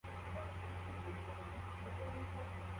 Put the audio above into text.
Imbwa yijimye iriruka iruhande rwindi mbwa hanze